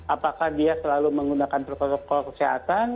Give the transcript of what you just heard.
apakah dia selalu menggunakan protokol kesehatan